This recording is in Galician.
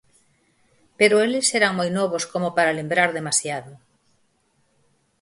Pero eles eran moi novos como para lembrar demasiado.